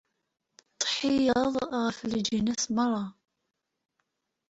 Tettihiyeḍ ɣef leǧnas meṛṛa.